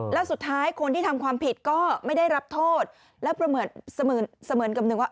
แล้วสุดท้ายคนที่ทำความผิดก็ไม่ได้รับโทษแล้วประเมินเสมือนกับหนึ่งว่า